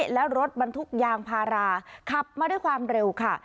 และรถบรรทุกยางพาราขับมาด้วยความเร็วค่ะ